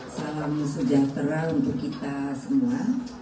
salam sejahtera untuk kita semua